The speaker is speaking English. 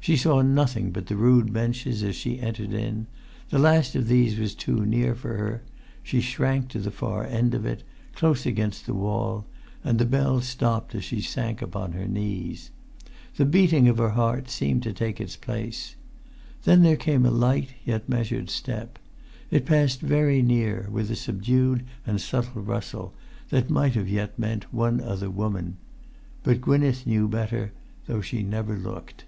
She saw nothing but the rude benches as she entered in; the last of these was too near for her; she shrank to the far end of it, close against the wall, and the bell stopped as she sank upon her knees. The beating of her heart seemed to take its place. Then there came a light yet measured step. It passed very near, with a subdued and subtle rustle, that might yet have meant one other woman. But Gwynneth knew better, though she never looked.